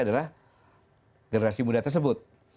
adalah generasi muda tersebut